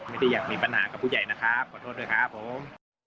ไม่ได้อยากมีปัญหากับผู้ใหญ่นะครับขอโทษด้วยครับผม